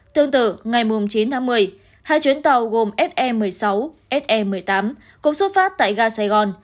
tương tự ngày chín tháng một mươi hai chuyến tàu gồm se một mươi sáu se một mươi tám cũng xuất phát tại ga sài gòn